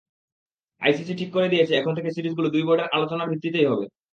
ICC ঠিক করে দিয়েছে, এখন থেকে সিরিজগুলো দুই বোর্ডের আলোচনার ভিত্তিতেই হবে।